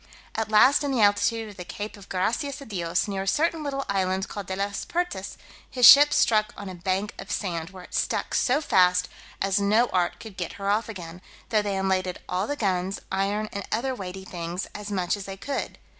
At last in the altitude of the cape of Gracias a Dios, near a certain little island called De las Pertas, his ship struck on a bank of sand, where it stuck so fast, as no art could get her off again, though they unladed all the guns, iron, and other weighty things as much as they could.